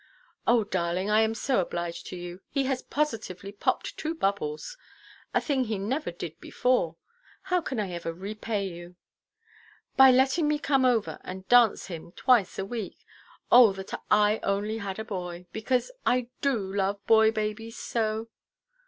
"Oh, darling, I am so obliged to you. He has positively popped two bubbles. A thing he never did before! How can I ever repay you?" "By letting me come over and dance him twice a week. Oh, that I only had a boy!—because I do love boy–babies so."